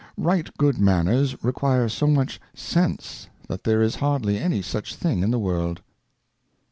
Right Good manners require so much Sense, that there is hardly any such thing in the World.